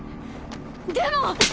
でも！